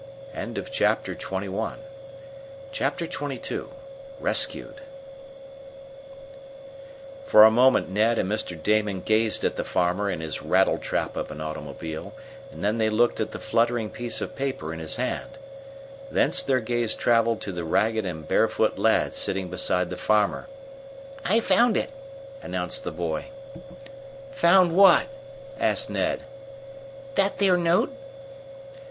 Chapter XXII Rescued For a moment Ned and Mr. Damon gazed at the farmer in his rattletrap of an auto, and then they looked at the fluttering piece of paper in his hand. Thence their gaze traveled to the ragged and barefoot lad sitting beside the farmer. "I found it!" announced the boy. "Found what?" asked Ned. "That there note!"